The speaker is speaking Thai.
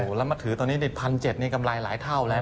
แล้วมาถือตอนนี้ใน๑๗๐๐นี่กำไรหลายเท่าแล้ว